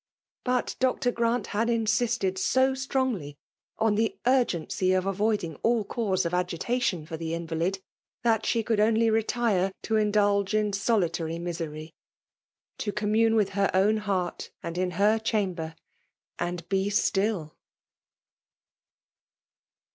But Dr. Grant had insisted so strongly on the urgency of avoiding all cause of agita tion for the invalid, that she could only retire to indulge in soUtary misery^ — to commune with her own heart, and in her chamber^ and be still